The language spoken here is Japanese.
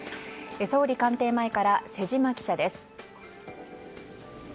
総理官邸前から瀬島記者です。